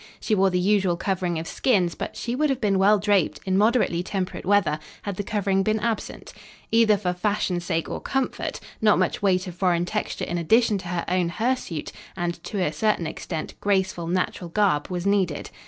She wore the usual covering of skins, but she would have been well draped, in moderately temperate weather, had the covering been absent. Either for fashion's sake or comfort, not much weight of foreign texture in addition to her own hirsute and, to a certain extent, graceful, natural garb, was needed.